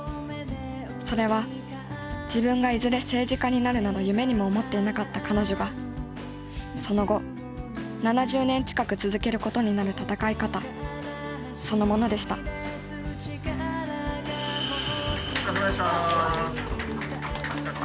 それは自分がいずれ政治家になるなど夢にも思っていなかった彼女がその後７０年近く続けることになる闘い方そのものでしたお疲れさまでした。